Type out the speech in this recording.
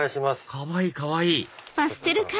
かわいいかわいい！